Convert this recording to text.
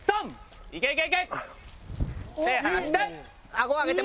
あご上げて！